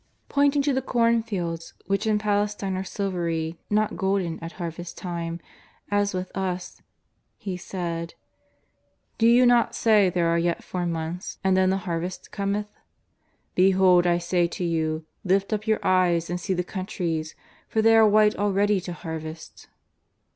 Pointing to the cornfields, which in Pales tine are silvery not golden at harvest time, as with us, He said :" Do you not say there are yet four months and then the harvest cometh ? Behold I say to you, lift up your eyes and see the countries, for they are white already to harvest."